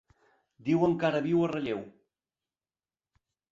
Diuen que ara viu a Relleu.